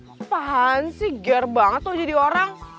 kepaan sih gear banget lo jadi orang